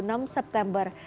tanggal dua puluh enam september